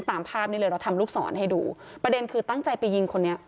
ตามภาพนี้เลยเราทำลูกศรให้ดูประเด็นคือตั้งใจไปยิงคนนี้